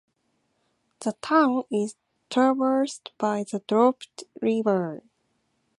The town is traversed by the Dropt river.